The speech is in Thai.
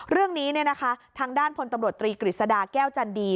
เรื่องนี้ทางด้านพลตำรวจตรีกฤษฎาแก้วจันดี